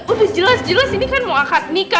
udah jelas jelas ini kan mau akad nikah